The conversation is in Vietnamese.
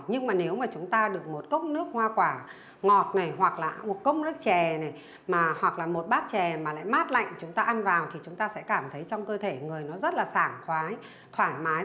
nhưng mà nếu mà chúng ta được một cốc nước hoa quả ngọt này hoặc là một cốc nước chè này mà hoặc là một bát chè mà lại mát lạnh chúng ta ăn vào thì chúng ta sẽ cảm thấy trong cơ thể người nó rất là sảng khoái thoải mái